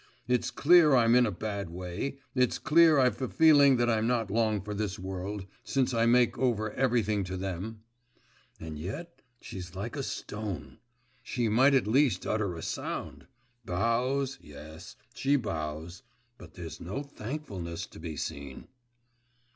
It's clear I'm in a bad way; it's clear I've a feeling that I'm not long for this world, since I make over everything to them; and yet she's like a stone! she might at least utter a sound! Bows yes, she bows, but there's no thankfulness to be seen.